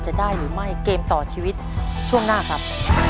จะได้หรือไม่เกมต่อชีวิตช่วงหน้าครับ